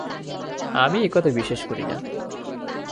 আমি এ-কথা বিশ্বাস করি না।